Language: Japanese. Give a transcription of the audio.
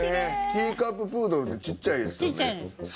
ティーカッププードルってちっちゃいですよね？